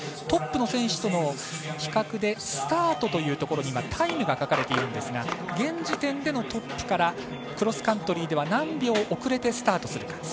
トップの選手との比較でスタートのところにタイムが書いてあるんですが現時点でのトップからクロスカントリーでは何秒遅れてスタートするか。